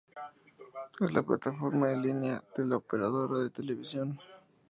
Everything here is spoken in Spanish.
Es la plataforma en línea de la operadora de televisión.